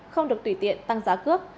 không được tùy tiện tăng giá cước